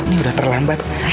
ini udah terlambat